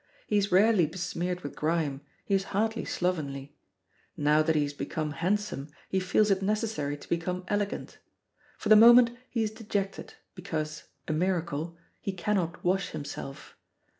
He is rarely besmeared with grime, he is hardly slovenly. Now that he has become handsome he feels it necessary to become elegant. For the moment he is dejected, because a miracle he cannot wash himself.